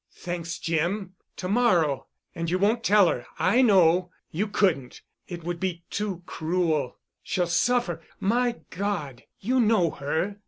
"Thanks, Jim. To morrow. And you won't tell her, I know. You couldn't. It would be too cruel. She'll suffer—my God! You know her.